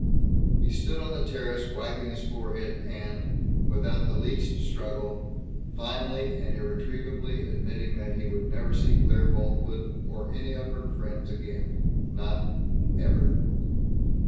He stood on the terrace wiping his forehead and, without the least struggle, finally and irretrievably admitting that he would never see Claire Boltwood or any of her friends again. Not never!